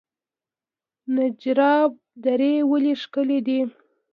نجراب درې ولې ښکلې دي؟